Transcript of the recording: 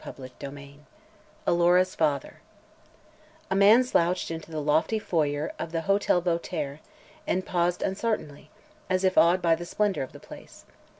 CHAPTER III ALORA'S FATHER A man slouched into the lofty foyer of the Hotel Voltaire and paused uncertainly, as if awed by the splendor of the place.